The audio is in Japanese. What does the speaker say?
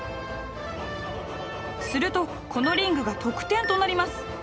するとこのリングが得点となります。